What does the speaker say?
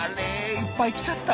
いっぱい来ちゃった。